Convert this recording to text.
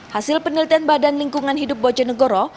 hasil penelitian badan lingkungan hidup bojonegoro